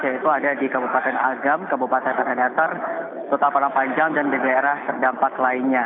yaitu ada di kabupaten agam kabupaten tanah datar kota padang panjang dan di daerah terdampak lainnya